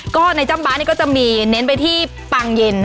ก็ในจ้ำบ๊านี่ก็จะมีเน้นไปที่ปางเย็น